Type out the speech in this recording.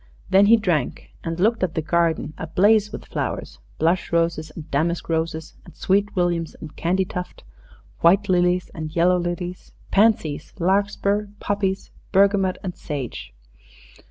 Then he drank, and looked at the garden ablaze with flowers blush roses and damask roses, and sweet williams and candytuft, white lilies and yellow lilies, pansies, larkspur, poppies, bergamot, and sage.